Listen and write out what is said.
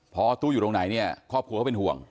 พอตู้อยู่ตรงไหนเนี่ยครอบครัวเขาเป็นห่วง